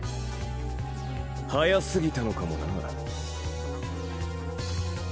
早すぎたのかもな。